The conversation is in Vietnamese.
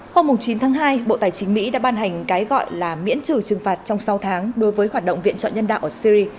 hôm chín tháng hai bộ tài chính mỹ đã ban hành cái gọi là miễn trừ trừng phạt trong sáu tháng đối với hoạt động viện trợ nhân đạo ở syri